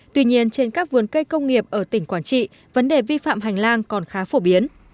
tuy nhiên trên các vườn cây công nghiệp ở tỉnh quảng trị vấn đề vi phạm hành lang còn khá phổ biến